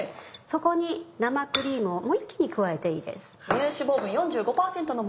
そこに生クリームを一気に加えていいです。